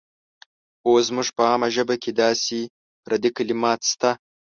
اوس زموږ په عامه ژبه کې داسې پردي کلمات شته.